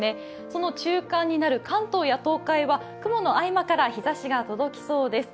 その中間になる関東や東海は雲の合間から日ざしが届きそうです。